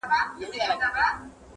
هم پلرونه هم مو وړونه هم خپلوان دي-